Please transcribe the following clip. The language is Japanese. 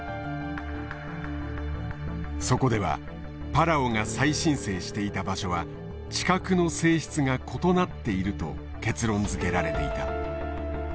そこではパラオが再申請していた場所は地殻の性質が異なっていると結論づけられていた。